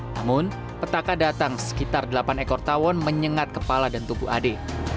namun petaka datang sekitar delapan ekor tawon menyengat kepala dan tubuh ade